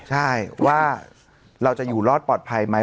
ใช่ว่าเราจะอยู่รอดปลอดภัยไหม